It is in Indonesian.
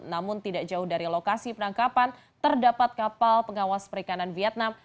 namun tidak jauh dari lokasi penangkapan terdapat kapal pengawas perikanan vietnam